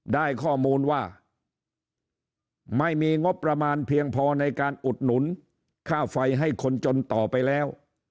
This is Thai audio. ได้ข้อมูลว่าไม่มีงบประมาณเพียงพอในการอุดหนุนค่าไฟให้คนจนต่อไปแล้ว